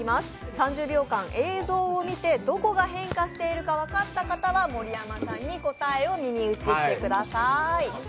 ３０秒間映像を見てどこが変化しているか分かった方は、盛山さんに答えを耳打ちしてください。